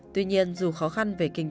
tuy nhiên dù khó khăn về tình trạng